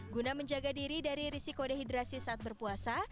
guna menjaga diri dari risiko dehidrasi saat berpuasa